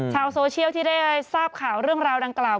ชาวโซเชียลที่ได้ทราบข่าวเรื่องราวดังกล่าว